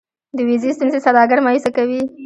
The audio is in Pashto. د ویزې ستونزې سوداګر مایوسه کوي.